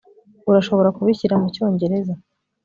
urashobora kubishyira mucyongereza